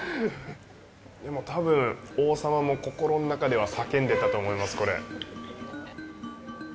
でも、多分王様も心の中では叫んでたと思います、これ。